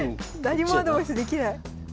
何もアドバイスできない。